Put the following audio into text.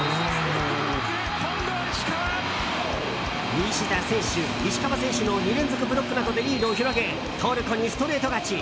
西田選手、石川選手の２連続ブロックなどでリードを広げトルコにストレート勝ち！